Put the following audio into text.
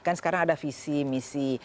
kan sekarang ada visi misi